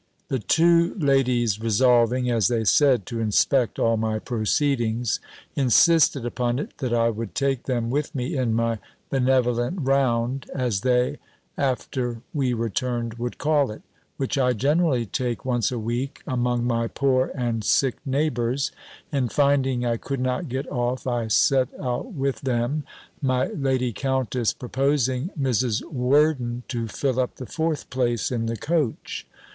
The two ladies resolving, as they said, to inspect all my proceedings, insisted upon it, that I would take them with me in my benevolent round (as they, after we returned, would call it), which I generally take once a week, among my poor and sick neighbours; and finding I could not get off, I set out with them, my lady countess proposing Mrs. Worden to fill up the fourth place in the coach.